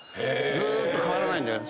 ずーっと変わらないんだよ